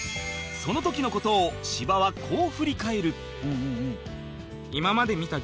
その時の事を芝はこう振り返る